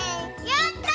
やった！